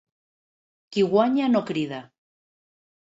Qui guanya no crida.